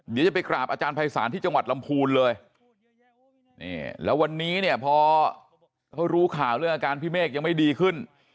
เดี๋ยวจะไปกราบอาจารย์ภัยศาลที่จังหวัดลำพูนเลยนี่แล้ววันนี้เนี่ยพอเขารู้ข่าวเรื่องอาการพี่เมฆยังไม่ดีขึ้น